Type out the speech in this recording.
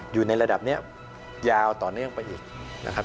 อยู่ในระดับนี้ยาวต่อเนื่องไปอีกนะครับ